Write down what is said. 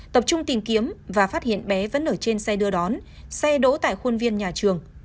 tập trung tìm kiếm và phát hiện bé vẫn ở trên xe đưa đón xe đỗ tại khuôn viên nhà trường